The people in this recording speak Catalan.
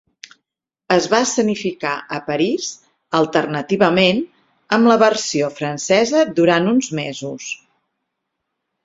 Es va escenificar a París alternativament amb la versió francesa durant uns mesos.